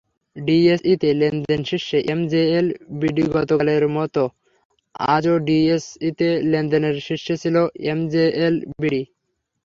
ডিএসইতে লেনদেনে শীর্ষে এমজেএল বিডিগতকালের মতো আজও ডিএসইতে লেনদেনে শীর্ষে ছিল এমজেএল বিডি।